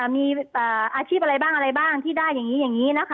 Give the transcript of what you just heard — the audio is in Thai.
มีอาชีพอะไรบ้างอะไรบ้างที่ได้อย่างนี้อย่างนี้นะคะ